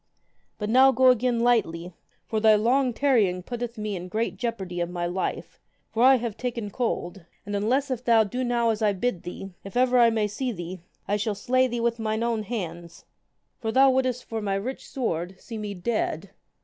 But now go again lightly, for thy long tarrying putteth me in great jeopardy of my life, for I have taken cold. And unless if thou do now as I bid thee, if ever I may see thee, I shall slay thee with mine own hands, for thou wouldest for my rich sword see me dead.